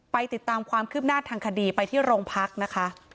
ติดตามความคืบหน้าทางคดีไปที่โรงพักนะคะ